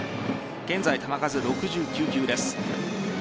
現在、球数６９球です。